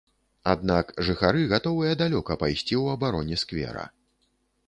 Аднак жыхары гатовыя далёка пайсці ў абароне сквера.